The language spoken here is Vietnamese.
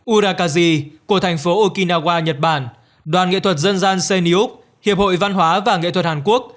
urakazi của thành phố okinawa nhật bản đoàn nghệ thuật dân gian sê ni út hiệp hội văn hóa và nghệ thuật hàn quốc